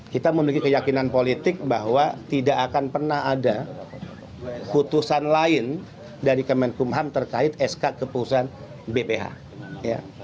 kita memiliki keyakinan politik bahwa tidak akan pernah ada putusan lain dari kemenkumham terkait sk keputusan bph